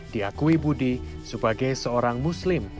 diakui budi sebagai seorang muslim